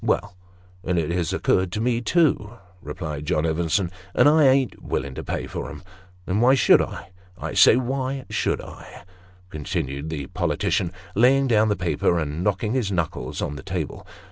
" Well, and it has occurred to me too," replied John Evenson, " and I ain't willing to pay for 'em. Then why should I? I say, why should I ?" continued the politician, laying down the paper, and knocking his knuckles on the table.